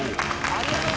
ありがとう。